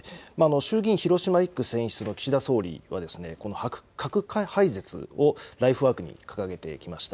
衆議院広島１区選出の岸田総理は、この核廃絶をライフワークに掲げてきました。